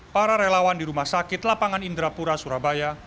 para relawan di rumah sakit lapangan indrapura surabaya